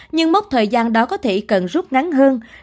nhưng mốc thời gian đó có thể cần rút ngắn hơn